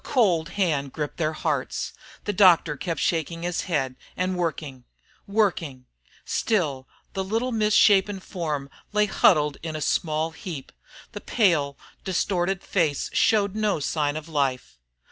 A cold hand gripped their hearts. The doctor kept shaking his head and working, working; still the little misshapen form lay huddled in a small heap, the pale, distorted face showed no sign of life.